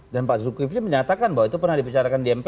dan pak zulkifli menyatakan bahwa itu pernah dipercatakan di mpr